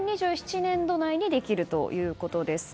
年度内にできるということです。